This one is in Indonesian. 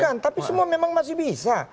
bukan tapi semua memang masih bisa